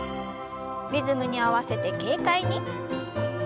リズムに合わせて軽快に。